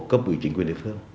cấp ủy chính quyền địa phương